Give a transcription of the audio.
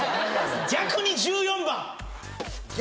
逆に１４番逆？